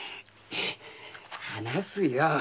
話すよ。